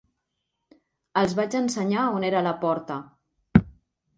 Els vaig ensenyar on era la porta.